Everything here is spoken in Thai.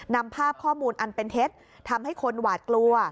นำภาพข้อมูลอันเป็นเท็จทำให้คนหวาดกลัว